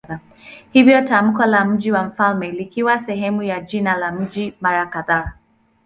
Hivyo tamko la "mji wa mfalme" likawa sehemu ya jina la mji mara kadhaa.